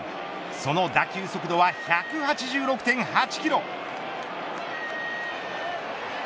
その打球速度は１８６．８キロ。